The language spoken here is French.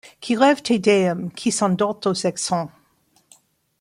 Qui rêve Te Deum qui s’endort aux accents